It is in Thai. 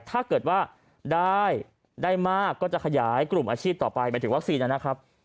ถ้าเกิดว่าได้มากก็จะขยายกลุ่มอาชีพต่อไปหมายถึงวัคซีนนะครับ